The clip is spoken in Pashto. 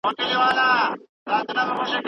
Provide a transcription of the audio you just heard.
تاسې باید د ماشومانو لپاره خوندي ځای جوړ کړئ.